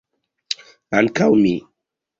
Ankaŭ mi.